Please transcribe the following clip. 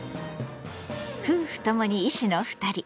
夫婦ともに医師の２人。